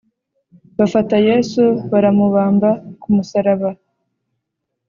Bafata Yesu baramubamba ku musaraba